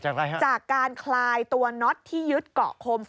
เกิดจากอะไรฮะจาก